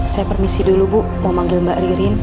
saya permisi dulu bu mau manggil mbak ririn